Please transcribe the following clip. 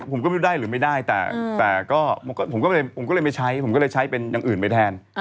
ผมก็ไม่รู้ได้หรือไม่ได้แต่ก็ผมก็เลยผมก็เลยไม่ใช้ผมก็เลยใช้เป็นอย่างอื่นไปแทน